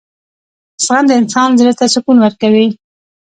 • زغم د انسان زړۀ ته سکون ورکوي.